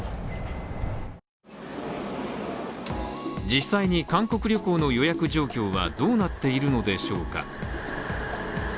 実際に韓国旅行の予約状況はどうなっているのでしょうか。